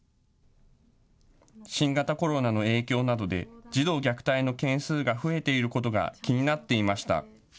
新型コロナの影響などで児童虐待の件数が増えていることが気になっていました。